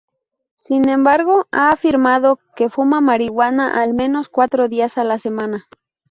Sin embargo, ha afirmado que fuma marihuana al menos cuatro días a la semana.